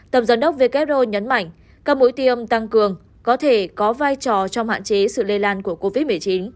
tổng giám đốc who nhấn mạnh các mũi tiêm tăng cường có thể có vai trò trong hạn chế sự lây lan của covid một mươi chín